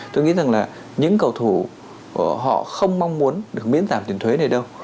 tôi nghĩ rằng là những cầu thủ của họ không mong muốn được miễn giảm tiền thuế này đâu